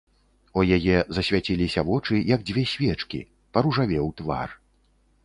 У яе засвяціліся вочы, як дзве свечкі, паружавеў твар.